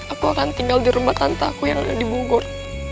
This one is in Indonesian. aku akan tinggal di rumah tante aku yang dibungkus